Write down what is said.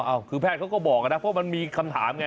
คือแพทย์เขาก็บอกนะเพราะมันมีคำถามไง